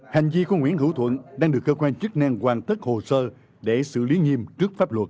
hành vi của nguyễn hữu thuận đang được cơ quan chức năng hoàn tất hồ sơ để xử lý nghiêm trước pháp luật